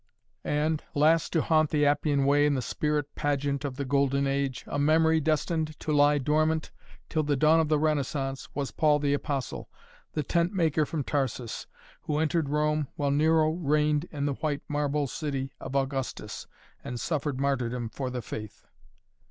And, last to haunt the Appian Way in the spirit pageant of the Golden Age, a memory destined to lie dormant till the dawn of the Renaissance, was Paul the Apostle, the tent maker from Tarsus, who entered Rome while Nero reigned in the white marble city of Augustus and suffered martyrdom for the Faith.